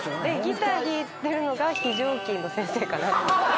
ギター弾いてるのが非常勤の先生かな。